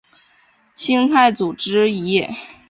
清太祖之妃。